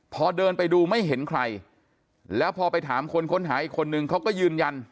พอเดินไปดูไม่เห็นใครแล้วพอไปถามคนค้นหาอีกคนนึงเขาก็ยืนยัน